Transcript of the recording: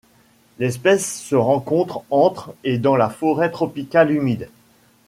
L'espèce se rencontre entre et dans la forêt tropicale humide.